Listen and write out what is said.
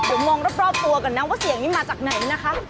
เดี๋ยวมองรอบตัวก่อนนะว่าเสียงนี้มาจากไหนนะคะ